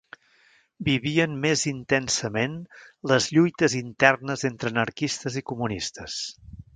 Vivien més intensament les lluites internes entre anarquistes i comunistes